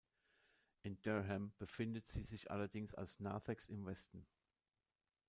In Durham befindet sie sich allerdings als Narthex im Westen.